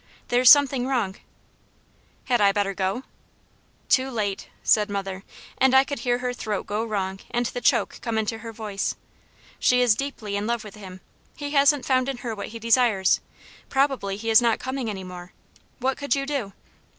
There's something wrong." "Had I better go now?" "Too late!" said mother, and I could hear her throat go wrong and the choke come into her voice. "She is deeply in love with him; he hasn't found in her what he desires; probably he is not coming any more; what could you do?"